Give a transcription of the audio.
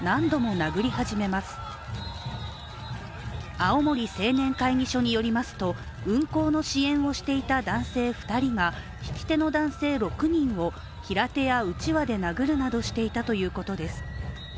青森青年会議所によりますと、運行の支援をしていた男性２人がひき手の男性６人を平手やうちわで殴るなどしていたということです。